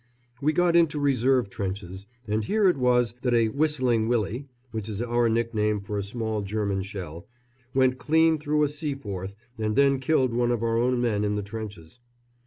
We got into reserve trenches, and here it was that a "whistling Willy," which is our nickname for a small German shell, went clean through a Seaforth and then killed one of our own men in the trenches.